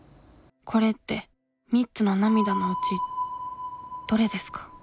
これって３つの涙のうちどれですか？